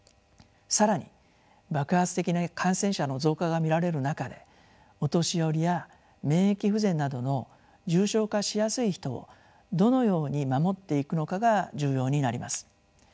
更に爆発的な感染者の増加が見られる中でお年寄りや免疫不全などの重症化しやすい人をどのように守っていくのかが重要になります。